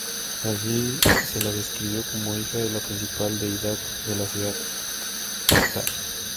Allí se la describió como hija de la principal deidad de la ciudad, Ptah.